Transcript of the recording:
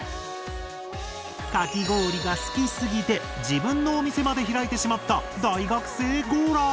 かき氷が好きすぎて自分のお店まで開いてしまった大学生ゴーラー。